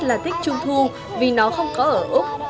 con rất là thích trung thu vì nó không có ở úc